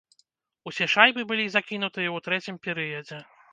Усе шайбы былі закінутыя ў трэцім перыядзе.